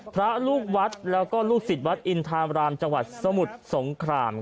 พระลูกวัดแล้วก็ลูกศิษย์วัดอินทามรามจังหวัดสมุทรสงคราม